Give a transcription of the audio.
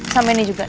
sama ini juga